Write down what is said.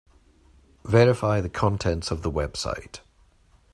Verify the contents of the website.